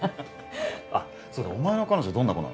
そうだお前の彼女どんな子なの？